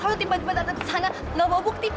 kalau tiba tiba datang ke sana nggak bawa bukti